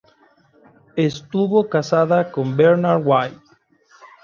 Estuvo casada con Bernard White.